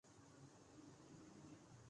کرو کج جبیں پہ سر کفن مرے قاتلوں کو گماں نہ ہو